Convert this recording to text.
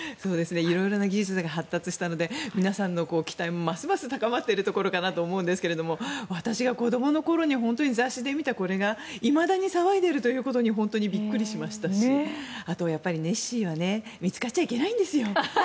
色々な技術が発達したので皆さんの期待もますます高まっているところかなと思いますが私が子どもの頃に雑誌で見たこれがいまだに騒いでいることにびっくりしましたしあとはネッシーは見つかっちゃいけないんですよ。